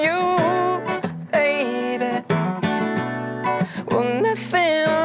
เฮ้ยทั้งหมดครับ